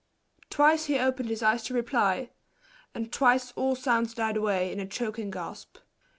Twice he opened his eyes to reply, and twice all sounds died away in a choking gasp.